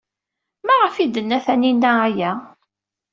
Maɣef ay d-tenna Taninna aya?